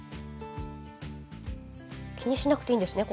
気にしなくていいんですね